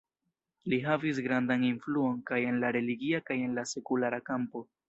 Li havis grandan influon kaj en la religia kaj en la sekulara kampo.